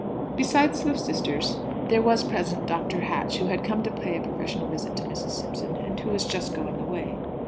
Besides the sisters there was present Dr. Hatch, who had come to pay a professional visit to Mrs. Simpson, and who was just going away.